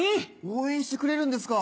応援してくれるんですか。